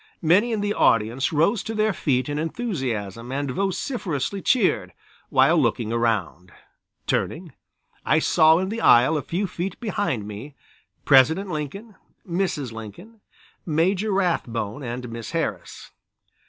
Many in the audience rose to their feet in enthusiasm and vociferously cheered, while looking around. Turning, I saw in the aisle a few feet behind me, President Lincoln, Mrs. Lincoln, Major Rathbone and Miss Harris.